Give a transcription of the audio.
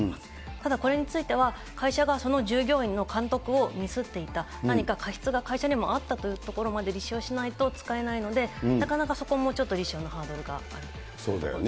ただこれについては、会社がその従業員の監督をミスっていた、何か過失が会社にもあったというところまで立証しないと使えないので、なかなかそこもちょっと立証のハードルがあると思いますね。